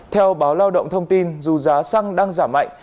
theo báo lao động thông tin dù giá xăng đang giảm mạnh